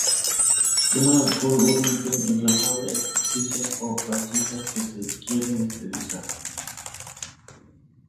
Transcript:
Quemar alcohol u otro líquido inflamable en superficies o vasijas que se quieren esterilizar.